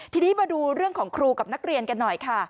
ทีนี้มาดูเรื่องของครูกับนักเรียนกันหน่อยค่ะ